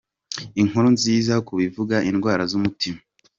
Inkuru nziza ku bivuza indwara z’umutima.